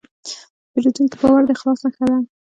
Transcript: د پیرودونکي باور د اخلاص نښه ده.